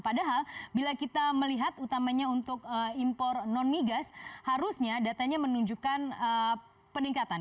padahal bila kita melihat utamanya untuk impor non migas harusnya datanya menunjukkan peningkatan